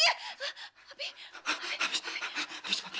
tapi gak tau kalau sheryl itu alergi kucing aduh gimana sih